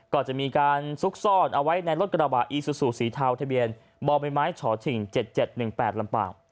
ก็จะมีการซุกซ่อนเอาไว้ในรถกระบะอีซูซูสีเทาทะเบียนบ่อใบไม้ฉอฉิง๗๗๑๘ลำเปล่า